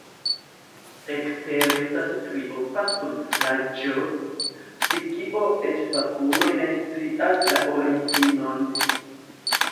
Ekstere estas triopa skulptaĵo, pri kio eĉ fakuloj ne scias la originon.